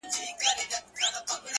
ما وېل سفر کومه ځمه او بیا نه راځمه!!